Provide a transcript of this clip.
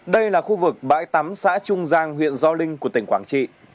đây là khu vực bãi tắm xã trung giang huyện gio linh của tỉnh quảng trị